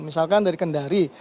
misalkan dari kendari